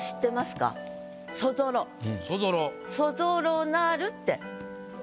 「そぞろなる」って。